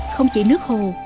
không chỉ nước hồ